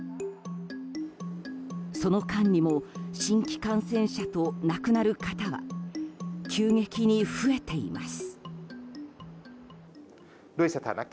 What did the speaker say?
その間にも、新規感染者数と亡くなる方は急激に増えています。